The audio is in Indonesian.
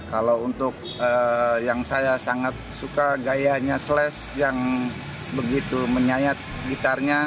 kalau untuk yang saya sangat suka gayanya slash yang begitu menyayat gitarnya